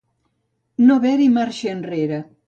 No haver-hi marxa enrere.